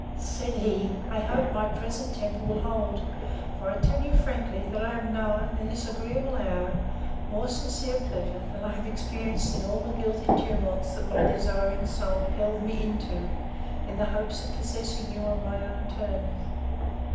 Said he, I hope my present temper will hold; for I tell you frankly, that I have known, in this agreeable hour, more sincere pleasure than I have experienced in all the guilty tumults that my desiring soul compelled me into, in the hopes of possessing you on my own terms.